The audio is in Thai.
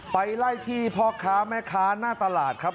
ไปไล่ที่พ่อค้าแม่ค้าหน้าตลาดครับ